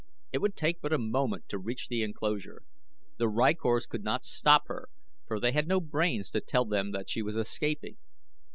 It would take but a moment to reach the enclosure. The rykors could not stop her, for they had no brains to tell them that she was escaping.